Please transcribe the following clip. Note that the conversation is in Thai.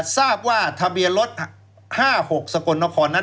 ทะเบียนลด๕๖สกลนครนั้น